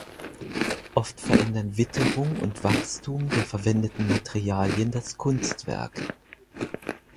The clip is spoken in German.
Oft verändern Witterung und Wachstum der verwendeten Materialien das Kunstwerk.